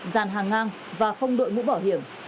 giàn hàng ngang và không đội ngũ bảo hiểm